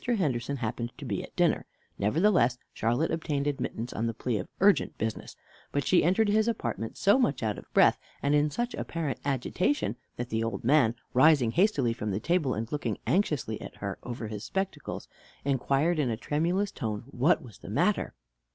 Henderson happened to be at dinner. Nevertheless, Charlotte obtained admittance on the plea of urgent business; but she entered his apartment so much out of breath, and in such apparent agitation, that the old gentleman, rising hastily from table, and looking anxiously at her over his spectacles, inquired in a tremulous tone what was the matter.